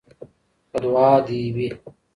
په دعا دي وي